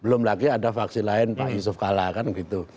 belum lagi ada faksi lain pak yusuf kalla kan gitu